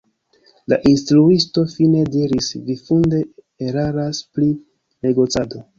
La instruisto fine diris: “Vi funde eraras pri negocado.